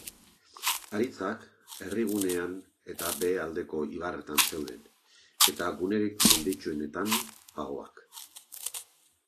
Haritzak herrigunean eta behealdeko ibarretan zeuden, eta gunerik menditsuenetan, pagoak.